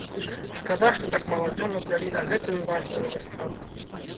Шкада, што так мала дзён адвялі на гэтую важную выставу.